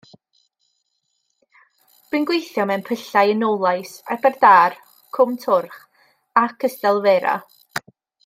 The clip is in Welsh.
Bu'n gweithio mewn pyllau yn Nowlais, Aberdâr, Cwm Twrch ac Ystalyfera.